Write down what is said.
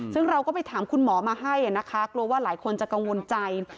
ซึ่งเราก็ไปถามคุณหมอมาให้นะคะกลัวว่าหลายคนจะกังวลใจ